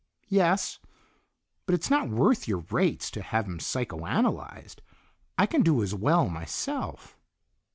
"Yes, but it's not worth your rates to have him psychoanalyzed. I can do as well myself."